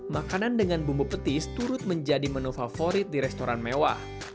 makanan dengan bumbu petis turut menjadi menu favorit di restoran mewah